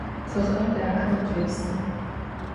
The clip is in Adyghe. Tığer daxeu khêpsı.